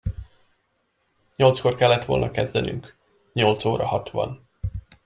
Nyolckor kellett volna kezdenünk, nyolc óra hat van.